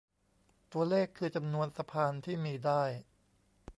ตัวเลขคือจำนวนสะพานที่มีได้